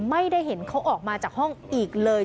ไม่ได้เห็นเขาออกมาจากห้องอีกเลย